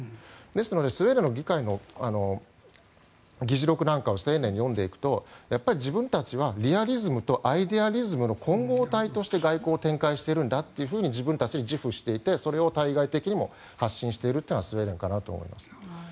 ですのでスウェーデンの議会の議事録なんかを丁寧に読んでいくと自分たちはリアリズムとアイデアリズムの混合体として外交を展開しているんだと自分たちで自負していてそれを対外的にも発信しているというのがスウェーデンかなと思います。